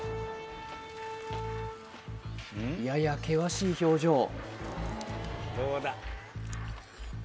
やや険しい表情